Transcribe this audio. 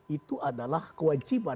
itu adalah kewajiban